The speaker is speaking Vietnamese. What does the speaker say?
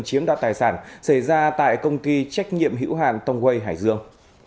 chiếm đạt tài sản xảy ra tại công ty trách nhiệm hữu hàn tông quây hải dương